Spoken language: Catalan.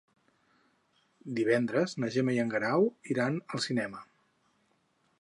Divendres na Gemma i en Guerau iran al cinema.